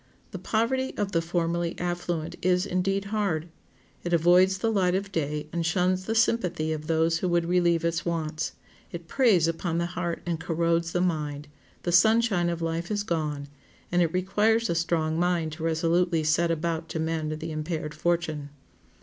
The poverty of the formerly affluent is, indeed, hard; it avoids the light of the day and shuns the sympathy of those who would relieve its wants; it preys upon the heart and corrodes the mind; the sunshine of life is gone, and it requires a strong mind to resolutely set about to mend the impaired fortune.